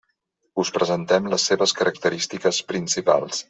Us presentem les seves característiques principals.